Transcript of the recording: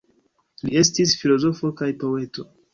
Li estis filozofo kaj poeto.